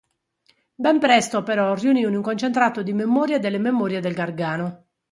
Ben presto però riunì in un concentrato di memorie delle memorie del Gargano.